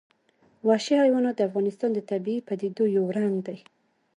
وحشي حیوانات د افغانستان د طبیعي پدیدو یو رنګ دی.